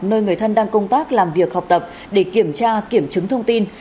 nơi người thân đang công tác làm việc học tập để kiểm tra kiểm chứng thông tin